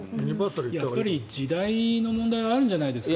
やっぱり時代の問題があるんじゃないですか。